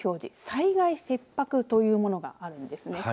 災害切迫というものがあるんですね。